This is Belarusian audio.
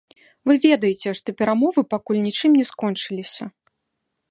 Вы ведаеце, што перамовы пакуль нічым не скончыліся.